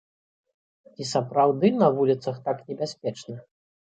Ці сапраўды на вуліцах так небяспечна?